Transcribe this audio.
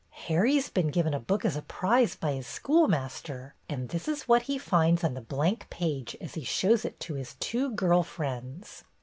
'' "Harry 's been given a book as a prize by his schoolmaster, and this is what he finds on the blank page as he shows it to his two girl friends."